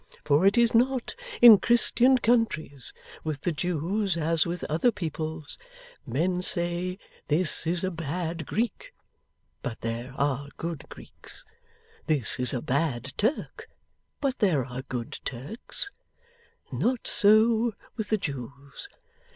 For it is not, in Christian countries, with the Jews as with other peoples. Men say, "This is a bad Greek, but there are good Greeks. This is a bad Turk, but there are good Turks." Not so with the Jews.